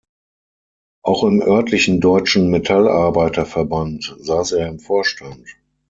Auch im örtlichen Deutschen Metallarbeiterverband saß er im Vorstand.